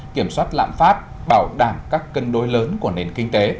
kiểm soát lạm phát bảo đảm các cân đối lớn của nền kinh tế